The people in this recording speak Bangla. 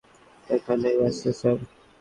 এখানেই আছে, স্যার।